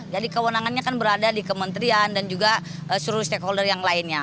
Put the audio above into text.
jadi kewenangannya kan berada di kementerian dan juga seluruh stakeholder yang lainnya